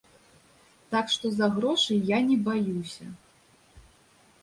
Так што, за грошы я не баюся.